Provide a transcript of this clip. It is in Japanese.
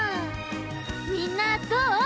みんなどう？